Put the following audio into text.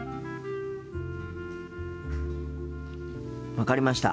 分かりました。